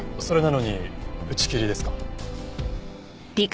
それなのに打ち切りですか？